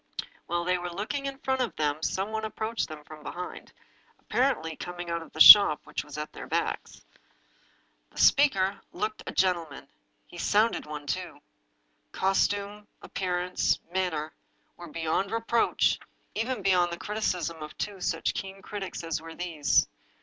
While they were looking in front of them some one approached them from behind, apparently coming out of the shop which was at their backs. The speaker looked a gentleman. He sounded like one, too. Costume, appearance, manner, were beyond reproach 284 The Lost Duchess — even beyond the criticism of two such keen critics as were these.